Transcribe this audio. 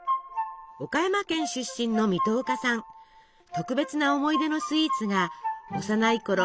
特別な思い出のスイーツが幼いころ